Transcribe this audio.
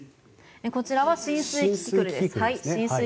こちらは浸水キキクルですね。